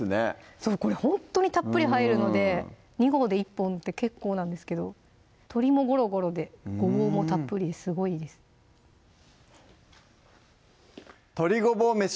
そうこれほんとにたっぷり入るので２合で１本って結構なんですけど鶏もゴロゴロでごぼうもたっぷりですごいいいです「鶏ごぼう飯」